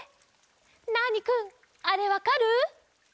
ナーニくんあれわかる？